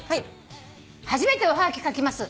「初めておはがき書きます。